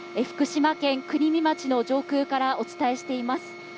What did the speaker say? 福島県国見町の上空からお伝えしています。